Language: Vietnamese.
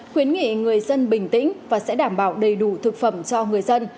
khuyến nghị người dân bình tĩnh và sẽ đảm bảo đầy đủ thực phẩm cho người dân